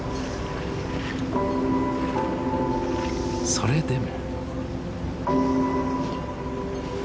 それでも。